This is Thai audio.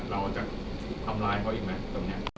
เราจะทำร้ายเขาอีกไหม